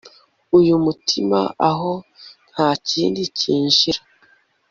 Uyu mutima aho ntakindi cyinjira